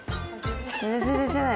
全然寝てない？